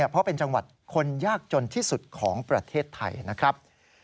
เพราะเป็นจังหวัดคนยากจนที่สุดของประเทศไทยนะครับ